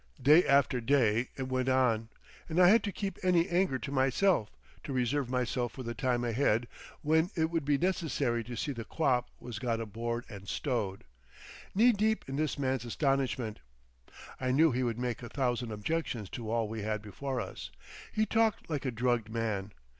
Day after day it went on, and I had to keep any anger to myself, to reserve myself for the time ahead when it would be necessary to see the quap was got aboard and stowed—knee deep in this man's astonishment. I knew he would make a thousand objections to all we had before us. He talked like a drugged man.